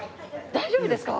大丈夫ですか？